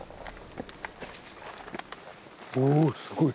おすごい！